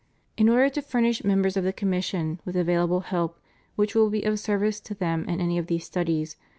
In order to furnish members of the commission with available help, which will be of service to them in any of these studies.